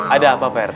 ada apa pak rt